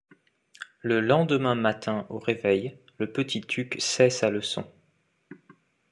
Le lendemain matin au réveil, le petit Tuk sait sa leçon.